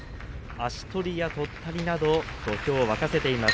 足取りや、とったりなど土俵を沸かせています。